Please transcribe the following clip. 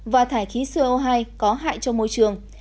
và thải khí co hai có hại cho môi trường